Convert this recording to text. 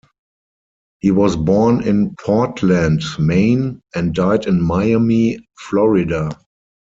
He was born in Portland, Maine and died in Miami, Florida.